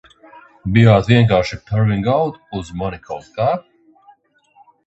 Bijāt vienkārši perving out uz mani kaut kā?